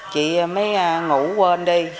chị mới ngủ quên đi